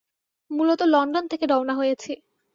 মূলত লন্ডন থেকে রওনা হয়েছি।